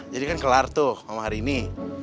jadi kan kelar tuh sama hari ini